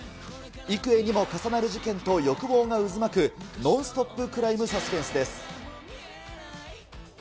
幾重にも重なる事件と欲望が渦巻く、ノンストップクライムサスペンスです。